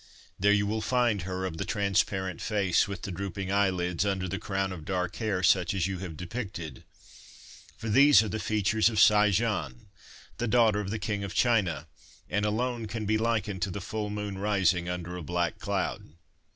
There you will find her of the transparent face with the drooping eyelids under the crown of dark hair such as you have depicted, for these are the features of Sai Jen, the daughter of the King of China, and alone can be likened to the full moon rising under a black cloud.'